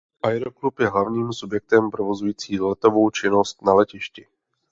Aeroklub je hlavním subjektem provozující letovou činnost na letišti.